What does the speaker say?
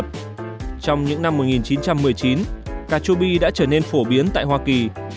trong những năm một nghìn chín trăm một mươi chín cà chua bi đã trở nên phổ biến tại hoa kỳ